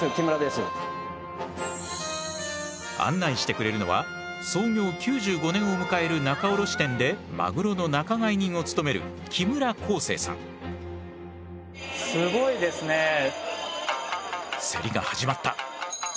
案内してくれるのは創業９５年を迎える仲卸店でマグロの仲買人を務める競りが始まった。